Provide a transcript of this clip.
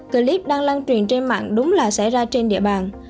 clip đang lan truyền trên mạng đúng là xảy ra trên địa bàn